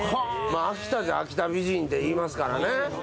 秋田で、秋田美人って言いますからね。